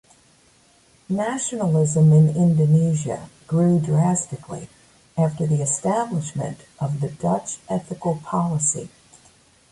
Nationalism in Indonesia grew drastically after the establishment of the Dutch Ethical Policy.